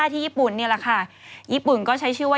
ที่ญี่ปุ่นนี่แหละค่ะญี่ปุ่นก็ใช้ชื่อว่า